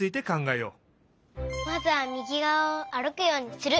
まずはみぎがわをあるくようにする。